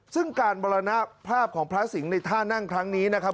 ซึ่งการมรณภาพของพระสิงห์ในท่านั่งครั้งนี้นะครับ